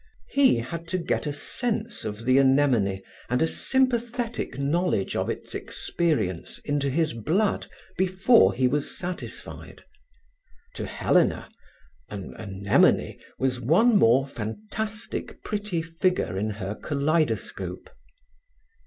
He had to get a sense of the anemone and a sympathetic knowledge of its experience, into his blood, before he was satisfied. To Helena an anemone was one more fantastic pretty figure in her kaleidoscope.